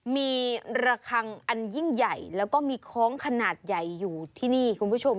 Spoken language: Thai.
มีระคังอันยิ่งใหญ่แล้วก็มีคล้องขนาดใหญ่อยู่ที่นี่คุณผู้ชม